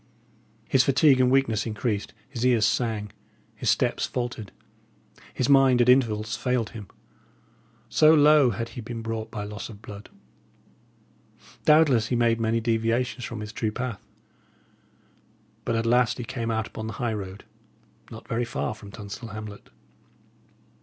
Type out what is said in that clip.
His fatigue and weakness increased; his ears sang, his steps faltered, his mind at intervals failed him, so low had he been brought by loss of blood. Doubtless he made many deviations from his true path, but at last he came out upon the high road, not very far from Tunstall hamlet.